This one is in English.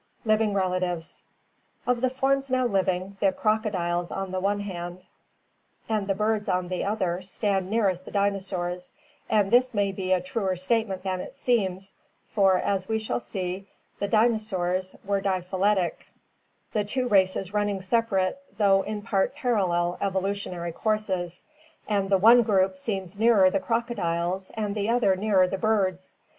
Living Relatives. — Of the forms now living, the crocodiles on the one hand and the birds on the other stand nearest the dinosaurs and this may be a truer statement than it seems, for, as we shall see, the dinosaurs were diphyletic, the two races running separate, though in part parallel evolutionary courses, and the one group seems nearer the crocodiles and the other nearer the birds.